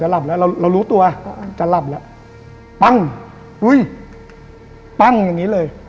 รู้ตัวว่าจะหลับแล้วปั๊งฮุ้ยปั๊งอย่างนี้เลย